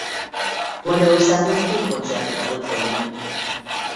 Magyarországon két koncertet adott Bonnie.